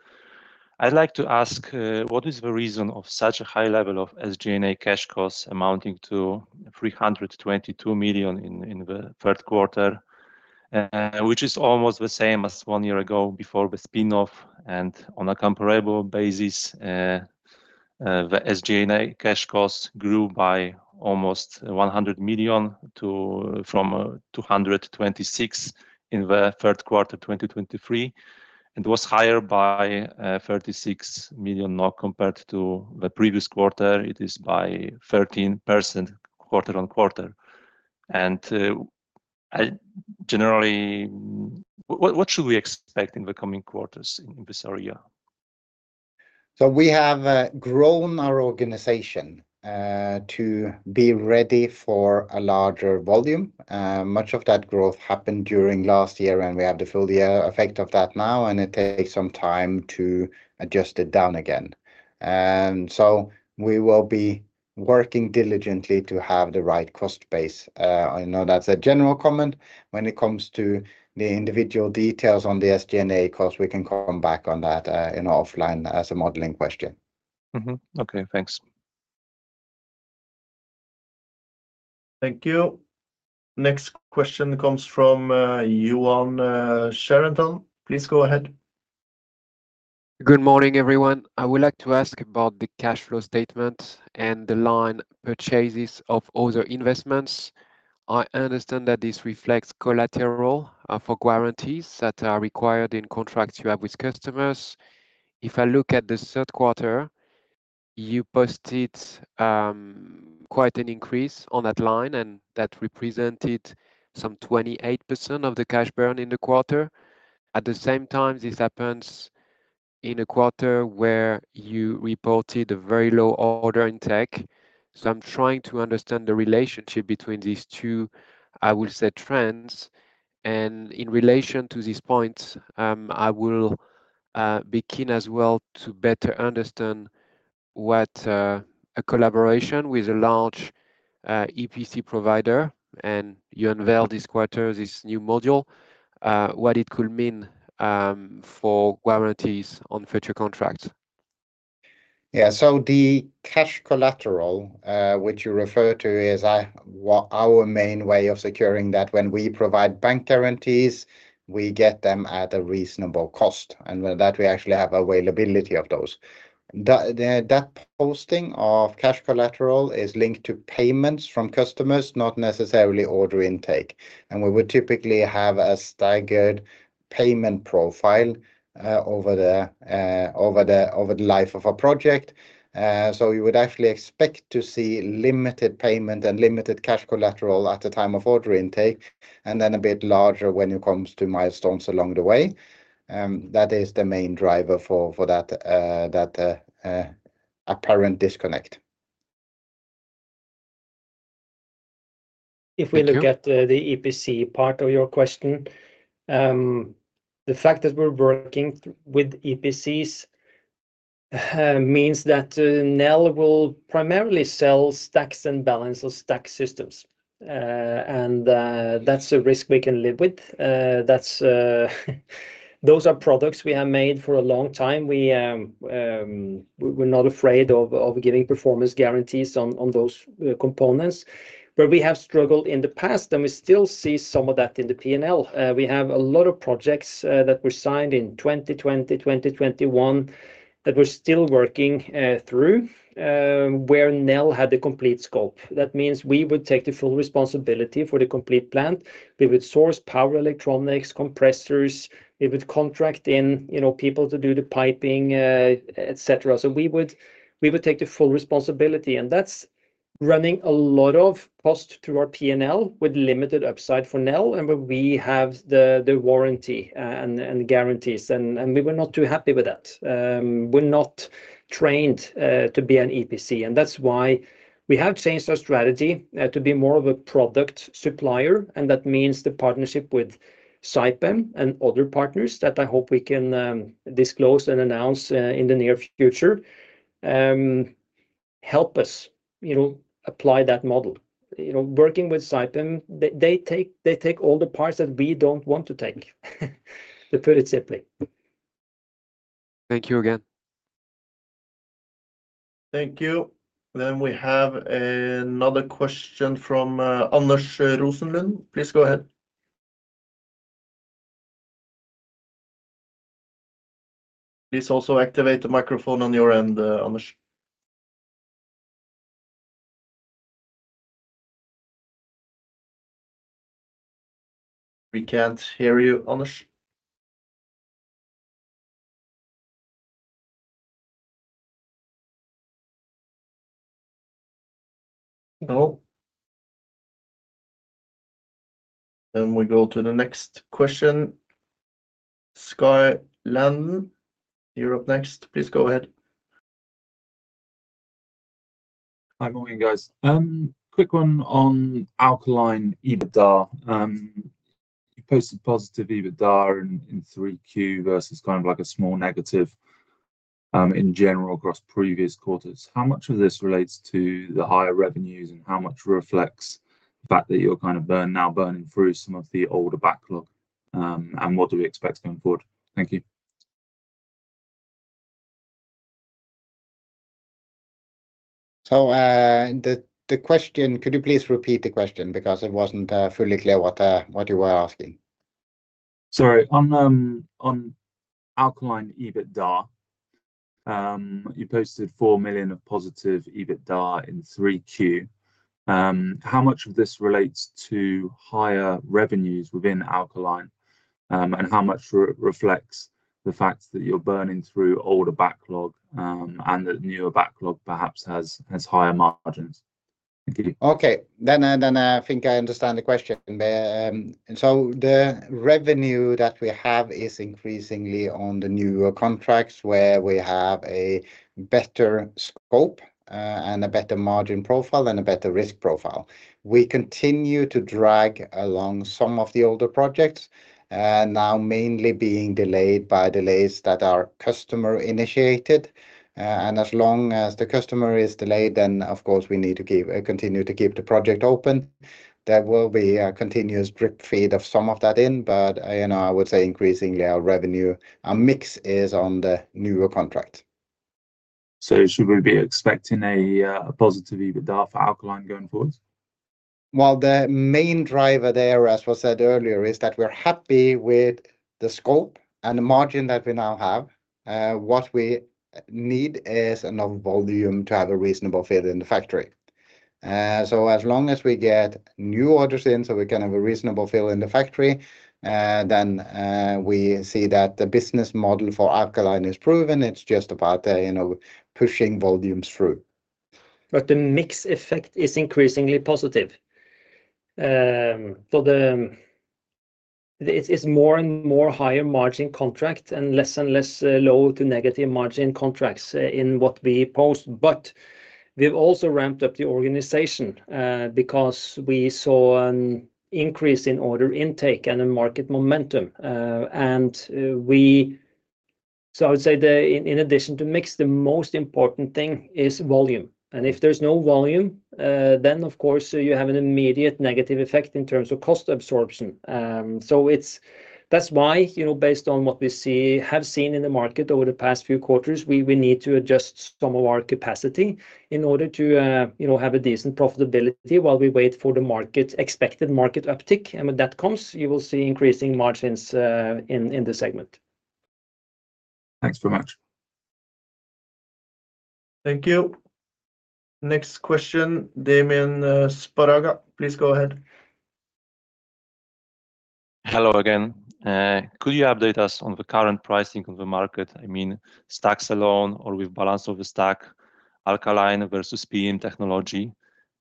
I'd like to ask what is the reason for such a high level of SG&A cash costs amounting to 322 million in the third quarter, which is almost the same as one year ago before the spin-off? And on a comparable basis, the SG&A cash costs grew by almost 100 million from 226 million in the third quarter of 2023. It was higher by 36 million compared to the previous quarter. It is by 13% quarter-on-quarter. And generally, what should we expect in the coming quarters in this area?
So we have grown our organization to be ready for a larger volume. Much of that growth happened during last year, and we have the full effect of that now, and it takes some time to adjust it down again. And so we will be working diligently to have the right cost base. I know that's a general comment. When it comes to the individual details on the SG&A cost, we can come back on that offline as a modeling question.
Okay, thanks.
Thank you. Next question comes from Yoann Charenton. Please go ahead. Good morning, everyone. I would like to ask about the cash flow statement and the line purchases of other investments. I understand that this reflects collateral for guarantees that are required in contracts you have with customers. If I look at the third quarter, you posted quite an increase on that line, and that represented some 28% of the cash burn in the quarter. At the same time, this happens in a quarter where you reported a very low order intake, so I'm trying to understand the relationship between these two, I would say, trends, and in relation to this point, I will begin as well to better understand what a collaboration with a large EPC provider and you unveil this quarter, this new module, what it could mean for guarantees on future contracts.
Yeah, so the cash collateral, which you refer to as our main way of securing that when we provide bank guarantees, we get them at a reasonable cost. And that we actually have availability of those. That posting of cash collateral is linked to payments from customers, not necessarily order intake. And we would typically have a staggered payment profile over the life of a project. So you would actually expect to see limited payment and limited cash collateral at the time of order intake, and then a bit larger when it comes to milestones along the way. That is the main driver for that apparent disconnect.
If we look at the EPC part of your question, the fact that we're working with EPCs means that Nel will primarily sell stacks and Balance of Stack systems. And that's a risk we can live with. Those are products we have made for a long time. We're not afraid of giving performance guarantees on those components. But we have struggled in the past, and we still see some of that in the P&L. We have a lot of projects that were signed in 2020, 2021, that we're still working through where Nel had the complete scope. That means we would take the full responsibility for the complete plant. We would source power electronics, compressors. We would contract in people to do the piping, etc. So we would take the full responsibility. And that's running a lot of cost through our P&L with limited upside for Nel, and we have the warranty and guarantees. And we were not too happy with that. We're not trained to be an EPC. And that's why we have changed our strategy to be more of a product supplier. And that means the partnership with Saipem and other partners that I hope we can disclose and announce in the near future help us apply that model. Working with Saipem, they take all the parts that we don't want to take, to put it simply. Thank you again.
Thank you. Then we have another question from Anders Rosenlund. Please go ahead. Please also activate the microphone on your end, Anders. We can't hear you, Anders. No. Then we go to the next question. Skye Landon, you're up next. Please go ahead.
Hi, morning, guys. Quick one on alkaline EBITDA. You posted positive EBITDA in 3Q versus kind of like a small negative in general across previous quarters. How much of this relates to the higher revenues and how much reflects the fact that you're kind of now burning through some of the older backlog? And what do we expect going forward? Thank you.
So the question, could you please repeat the question because it wasn't fully clear what you were asking?
Sorry. On alkaline EBITDA, you posted 4 million of positive EBITDA in 3Q. How much of this relates to higher revenues within alkaline and how much reflects the fact that you're burning through older backlog and that newer backlog perhaps has higher margins?
Okay. Then I think I understand the question. So the revenue that we have is increasingly on the newer contracts where we have a better scope and a better margin profile and a better risk profile. We continue to drag along some of the older projects, now mainly being delayed by delays that are customer-initiated. And as long as the customer is delayed, then of course we need to continue to keep the project open. There will be a continuous drip feed of some of that in, but I would say increasingly our revenue, our mix is on the newer contracts.
So should we be expecting a positive EBITDA for alkaline going forward?
Well, the main driver there, as was said earlier, is that we're happy with the scope and the margin that we now have. What we need is enough volume to have a reasonable fill in the factory. So as long as we get new orders in so we can have a reasonable fill in the factory, then we see that the business model for alkaline is proven. It's just about pushing volumes through.
But the mix effect is increasingly positive. It's more and more higher margin contracts and less and less low to negative margin contracts in what we post. But we've also ramped up the organization because we saw an increase in order intake and a market momentum. And so I would say in addition to mix, the most important thing is volume. And if there's no volume, then of course you have an immediate negative effect in terms of cost absorption. So that's why, based on what we have seen in the market over the past few quarters, we need to adjust some of our capacity in order to have a decent profitability while we wait for the expected market uptick. And when that comes, you will see increasing margins in the segment.
Thanks very much.
Thank you. Next question, Damian Szparaga. Please go ahead.
Hello again. Could you update us on the current pricing of the market, I mean, stacks alone or with balance of the stack, alkaline versus PEM technology?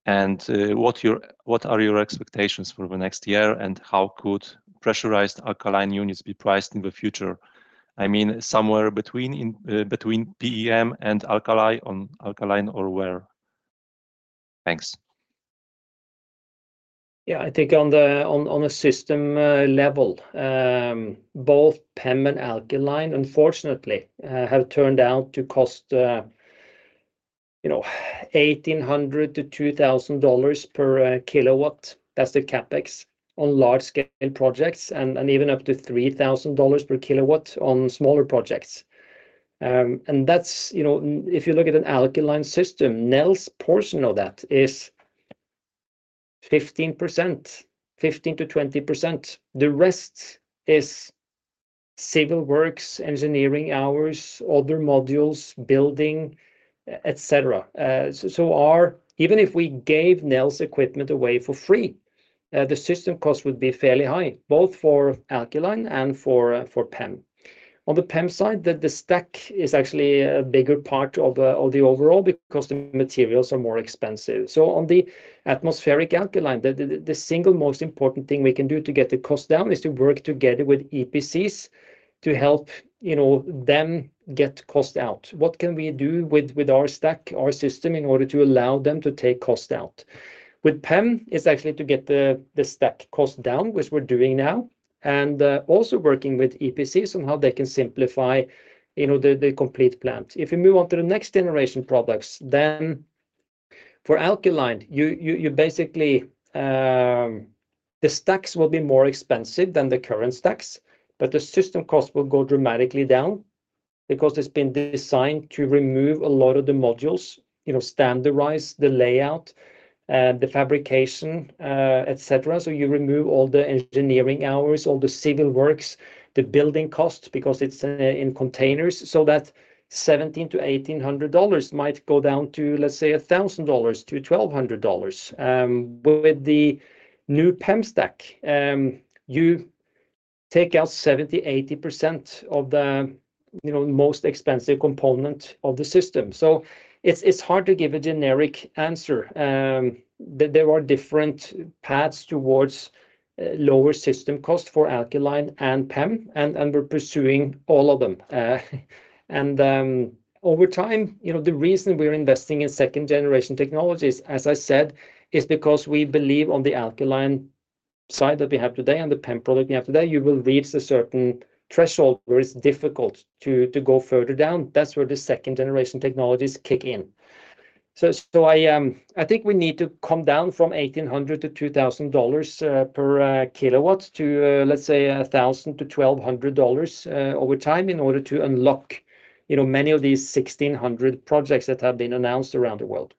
And what are your expectations for the next year and how could pressurized alkaline units be priced in the future? I mean, somewhere between PEM and alkaline or where? Thanks.
Yeah, I think on a system level, both PEM and alkaline, unfortunately, have turned out to cost $1,800-$2,000 per kilowatt. That's the CapEx on large-scale projects and even up to $3,000 per kilowatt on smaller projects. And if you look at an alkaline system, Nel's portion of that is 15%, 15%-20%. The rest is civil works, engineering hours, other modules, building, etc. So even if we gave Nel's equipment away for free, the system cost would be fairly high, both for alkaline and for PEM. On the PEM side, the stack is actually a bigger part of the overall because the materials are more expensive. So on the atmospheric alkaline, the single most important thing we can do to get the cost down is to work together with EPCs to help them get cost out. What can we do with our stack, our system, in order to allow them to take cost out? With PEM, it's actually to get the stack cost down, which we're doing now, and also working with EPCs on how they can simplify the complete plant. If you move on to the next generation products, then for alkaline, basically, the stacks will be more expensive than the current stacks, but the system cost will go dramatically down because it's been designed to remove a lot of the modules, standardize the layout, the fabrication, etc. So you remove all the engineering hours, all the civil works, the building costs because it's in containers. So that $1,700-$1,800 might go down to, let's say, $1,000-$1,200. With the new PEM stack, you take out 70%-80% of the most expensive component of the system. It's hard to give a generic answer. There are different paths towards lower system cost for alkaline and PEM, and we're pursuing all of them. And over time, the reason we're investing in second-generation technologies, as I said, is because we believe on the alkaline side that we have today and the PEM product we have today, you will reach a certain threshold where it's difficult to go further down. That's where the second-generation technologies kick in. So I think we need to come down from $1,800-$2,000 per kilowatt to, let's say, $1,000-$1,200 over time in order to unlock many of these 1,600 projects that have been announced around the world.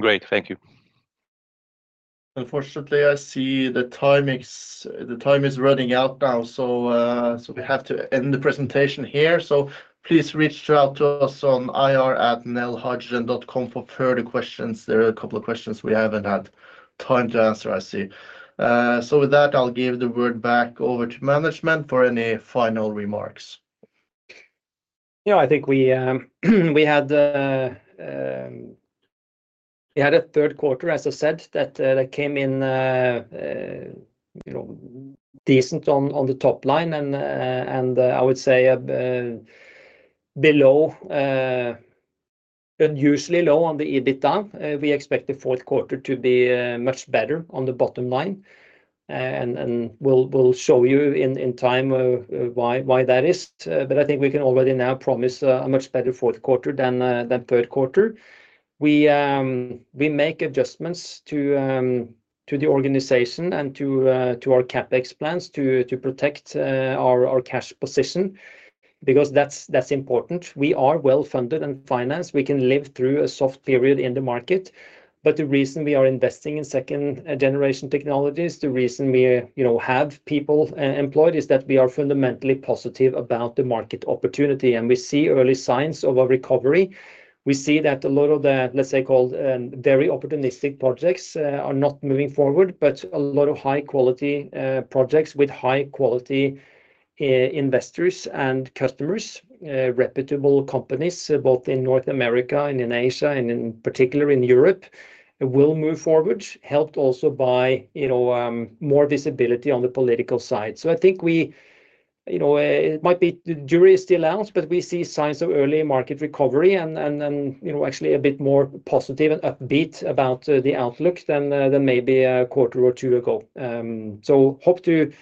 Great. Thank you.
Unfortunately, I see the time is running out now, so we have to end the presentation here. So please reach out to us on ir@nelhydrogen.com for further questions. There are a couple of questions we haven't had time to answer, I see, so with that, I'll give the word back over to management for any final remarks.
Yeah, I think we had a third quarter, as I said, that came in decent on the top line, and I would say below unusually low on the EBITDA. We expect the fourth quarter to be much better on the bottom line, and we'll show you in time why that is, but I think we can already now promise a much better fourth quarter than third quarter. We make adjustments to the organization and to our CapEx plans to protect our cash position because that's important. We are well funded and financed. We can live through a soft period in the market. But the reason we are investing in second-generation technologies, the reason we have people employed, is that we are fundamentally positive about the market opportunity. We see early signs of a recovery. We see that a lot of the, let's say, called very opportunistic projects are not moving forward, but a lot of high-quality projects with high-quality investors and customers, reputable companies, both in North America and in Asia, and in particular in Europe, will move forward, helped also by more visibility on the political side. The jury is still out, but we see signs of early market recovery and actually a bit more positive and upbeat about the outlook than maybe a quarter or two ago. We hope to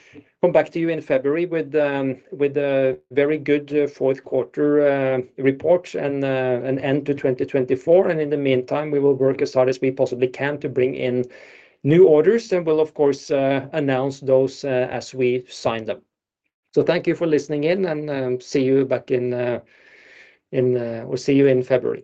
come back to you in February with a very good fourth quarter report and an end to 2024. And in the meantime, we will work as hard as we possibly can to bring in new orders and will, of course, announce those as we sign them. So thank you for listening in, and see you back in February.